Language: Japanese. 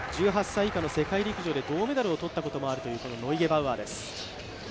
１８歳以下の世界陸上で銅メダルも取ったことがあるというノイゲバウアーです。